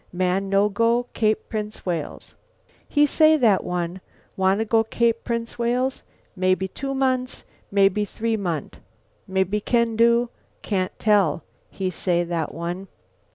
Man no go Cape Prince Wales.' "He say, that one, 'Wanna go Cape Prince Wales, mebby two month, mebby three month. Mebby can do. Can't tell,' he say, that one."